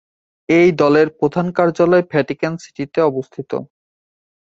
এই দলের প্রধান কার্যালয় ভ্যাটিকান সিটিতে অবস্থিত।